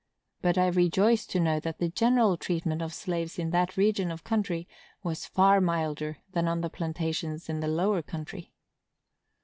But I rejoice to know that the general treatment of slaves in that region of country was far milder than on the plantations in the lower country.